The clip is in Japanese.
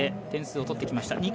点数を取ってきました。